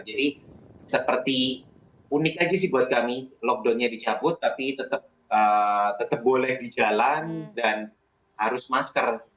jadi seperti unik aja sih buat kami lockdownnya dicabut tapi tetap boleh di jalan dan harus masker